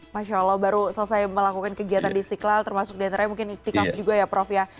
masya allah baru selesai melakukan kegiatan di istiqlal termasuk diantaranya mungkin iktikaf juga ya prof ya